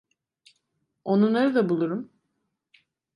Onu nerede bulurum?